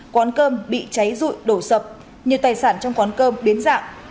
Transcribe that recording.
quán cơm bị cháy rụi đổ sập nhiều tài sản trong quán cơm biến dạng